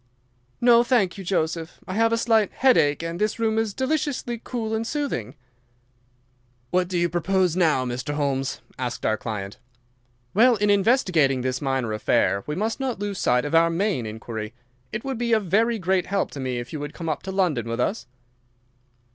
"No, thank you, Joseph. I have a slight headache and this room is deliciously cool and soothing." "What do you propose now, Mr. Holmes?" asked our client. "Well, in investigating this minor affair we must not lose sight of our main inquiry. It would be a very great help to me if you would come up to London with us."